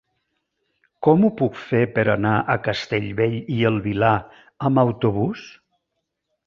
Com ho puc fer per anar a Castellbell i el Vilar amb autobús?